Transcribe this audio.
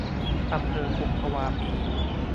อำเภอกุมภวาปี